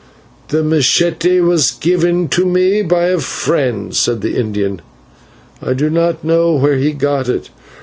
"The /machete/ was given to me by a friend," said the Indian, "I do not know where he got it."